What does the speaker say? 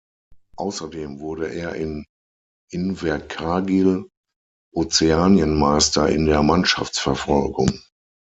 Außerdem wurde er in Invercargill Ozeanienmeister in der Mannschaftsverfolgung.